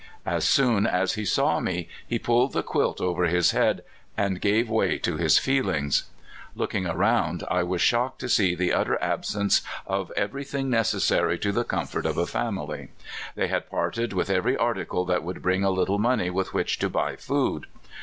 xVs soon as he saw me he pulled the quilt over his head, and gave way to his feelings. His sobs fairly shook the frail ten ement. Looking around, I was shocked to see the utter absence of every thing necessary to the com fort of a family. They had parted with every arti Ae that would bring a little money with which tc buy food.